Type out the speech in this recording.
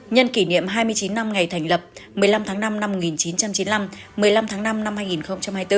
nhân kỷ niệm hai mươi chín năm ngày thành lập một mươi năm tháng năm năm một nghìn chín trăm chín mươi năm một mươi năm tháng năm năm hai nghìn hai mươi bốn